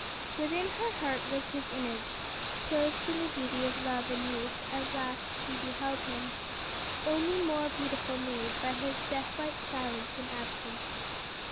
"Within her heart was his image, Cloth'd in the beauty of love and youth, as last she beheld him, Only more beautiful made by his deathlike silence and absence."